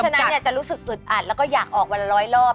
เพราะฉะนั้นจะรู้อึดอัดและอยากออกวันล้อยรอบ